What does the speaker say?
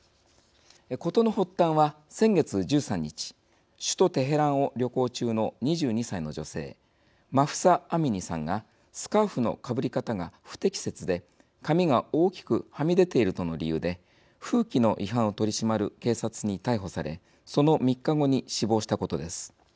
事の発端は、先月１３日首都テヘランを旅行中の２２歳の女性マフサ・アミニさんがスカーフのかぶり方が不適切で髪が大きくはみ出ているとの理由で風紀の違反を取り締まる警察に逮捕されその３日後に死亡したことです。